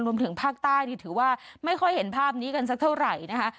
รวมถึงภาคใต้นี่ถือว่าไม่ค่อยเห็นภาพนี้กันสักเท่าไหร่นะคะ